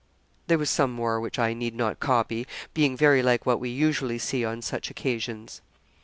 There was some more which I need not copy, being very like what we usually see on such occasions.